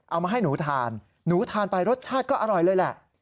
เอามาให้หนูทานหนูทานไปรสชาติก็อร่อยเลยแหละ